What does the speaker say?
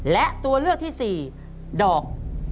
และตัวเลือกที่๔ดอก